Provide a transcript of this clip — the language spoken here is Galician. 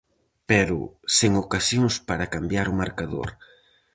Pero sen ocasións para cambiar o marcador.